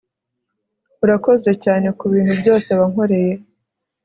urakoze cyane kubintu byose wankoreye